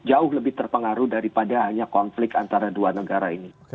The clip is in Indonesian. jauh lebih terpengaruh daripada hanya konflik antara dua negara ini